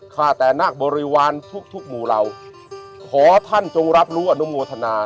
ข้าแต่นักบริวารทุกทุกหมู่เหล่าขอท่านจงรับรู้อนุโมทนา